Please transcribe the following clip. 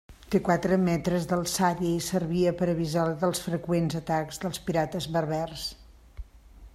Té quatre metres d'alçària i servia per avisar dels freqüents atacs dels pirates berbers.